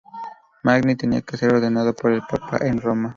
Magni tenía que ser ordenado por el papa en Roma.